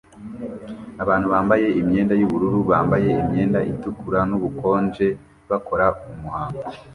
Abantu bambaye imyenda yubururu bambaye imyenda itukura nubukonje bakora umuhango